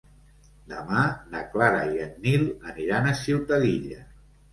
Demà na Clara i en Nil aniran a Ciutadilla.